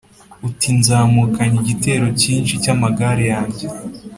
uti Nzamukanye igitero cyinshi cy amagare yanjye